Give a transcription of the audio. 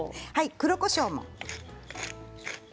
黒こしょうも。